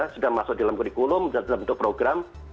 sudah masuk dalam kurikulum dalam bentuk program